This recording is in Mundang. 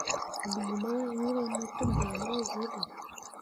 Lu mah hiŋra mo tegbah ma zele.